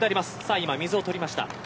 今、水を取りました。